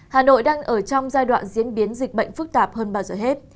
hà nội đang ở trong giai đoạn diễn biến dịch bệnh phức tạp hơn bao giờ hết